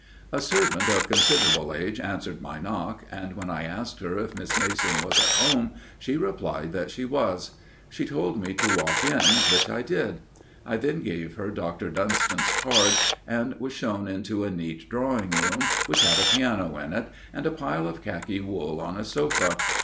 A servant of considerable age answered my knock, and when I asked her if Miss Mason was at home, she replied that she was. She told me to walk in, which I did. I then gave her Dr. Dunston's card, and was shown into a neat drawing room, which had a piano in it, and a pile of khaki wool on a sofa.